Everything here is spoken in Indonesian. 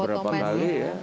beberapa kali ya